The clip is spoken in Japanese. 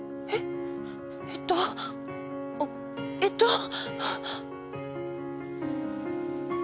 えっとえっと。